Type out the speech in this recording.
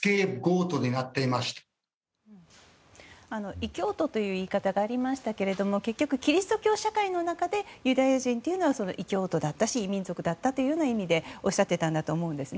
異教徒という言い方がありましたけど結局キリスト教社会の中でユダヤ人は異教徒だったし異民族だったという意味でおっしゃっていたと思うんです。